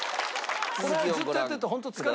これをずっとやってるとホント疲れるからね。